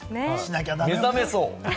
目覚めそう。